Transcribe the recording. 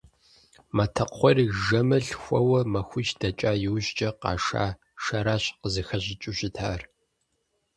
Матэкхъуейр жэмыр лъхуэуэ махуищ дэкӀа иужькӀэ къаша шэращ къызыхащӀыкӀыу щытар.